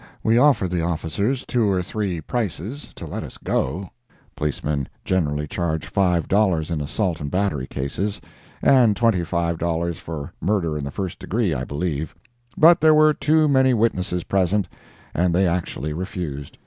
We offered the officers two or three prices to let us go, (policemen generally charge $5 in assault and battery cases, and $25 for murder in the first degree, I believe,) but there were too many witnesses present, and they actually refused.